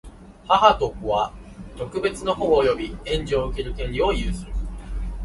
母と子とは、特別の保護及び援助を受ける権利を有する。